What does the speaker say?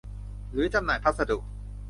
หรือจำหน่ายพัสดุ